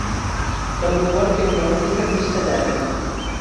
L'aeroport té una única pista llarga.